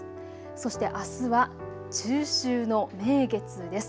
そしてあすは中秋の名月です。